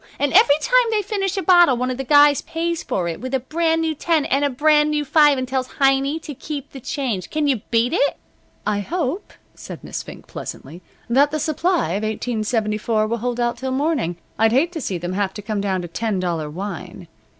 And every time they finish a bottle one of the guys pays for it with a brand new ten and a brand new five and tells Heiny to keep the change. Can you beat it?" "I hope," said Miss Fink, pleasantly, "that the supply of 1874 will hold out till morning. I'd hate to see them have to come down to ten dollar wine.